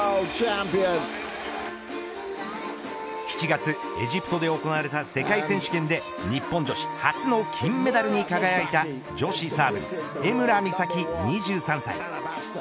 ７月、エジプトで行われた世界選手権で日本女子初の金メダルに輝いた女子サーブル江村美咲２３歳。